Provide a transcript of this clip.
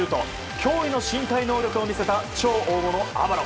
驚異の身体能力を見せた超大物アバロ。